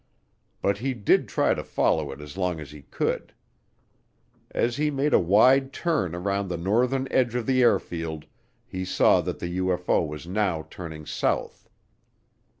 But he did try to follow it as long as he could. As he made a wide turn around the northern edge of the airfield he saw that the UFO was now turning south.